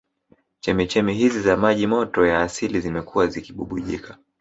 Chemchemi hizi za maji moto ya asili zimekuwa zikibubujika